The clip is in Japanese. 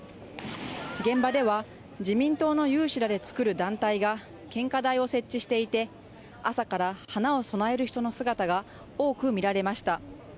現場では自民党の有志らでつくる団体が献花台を設置していて、朝から花を供える人の姿が多く見られました。